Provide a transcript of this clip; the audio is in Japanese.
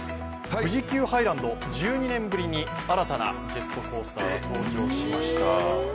富士急ハイランド、１２年ぶりに新たなジェットコースターが登場しました。